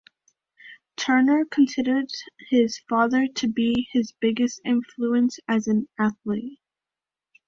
Turner considers his father to be his biggest influence as an athlete.